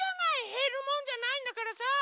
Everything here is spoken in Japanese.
へるもんじゃないんだからさ。